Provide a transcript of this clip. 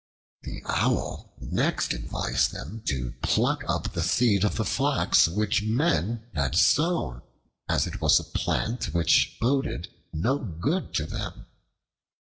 The Owl next advised them to pluck up the seed of the flax, which men had sown, as it was a plant which boded no good to them.